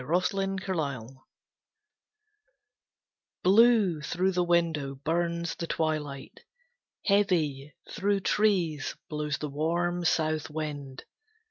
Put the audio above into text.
March Evening Blue through the window burns the twilight; Heavy, through trees, blows the warm south wind.